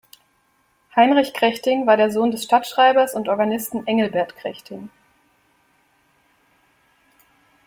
Heinrich Krechting war der Sohn des Stadtschreibers und Organisten Engelbert Krechting.